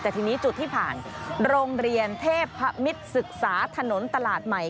แต่ทีนี้จุดที่ผ่านโรงเรียนเทพพมิตรศึกษาถนนตลาดใหม่